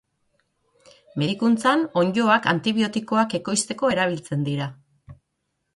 Medikuntzan onddoak antibiotikoak ekoizteko erabiltzen dira.